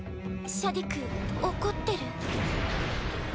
シャディク怒ってる？